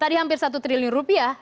tadi hampir satu triliun rupiah